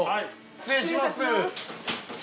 失礼いたします。